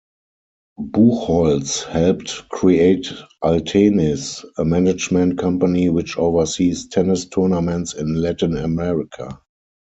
Buchholz helped create Altenis, a management company which oversees tennis tournaments in Latin America.